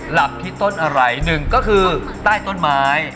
หลับที่ต้นอะไรหนึ่งก็คือใต้ต้นไม้